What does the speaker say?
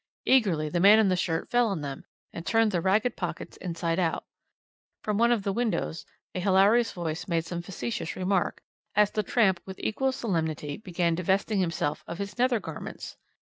Eagerly the man in the shirt fell on them, and turned the ragged pockets inside out. From one of the windows a hilarious voice made some facetious remark, as the tramp with equal solemnity began divesting himself of his nether garments.